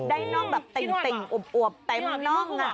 ได้น่องแบบติ่งอวบแต่มีน่อง